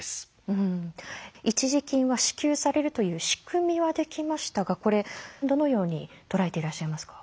一時金は支給されるという仕組みはできましたがこれどのように捉えていらっしゃいますか？